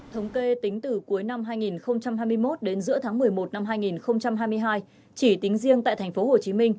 thống kê tính từ cuối năm hai nghìn hai mươi một đến giữa tháng một mươi một năm hai nghìn hai mươi hai chỉ tính riêng tại tp hcm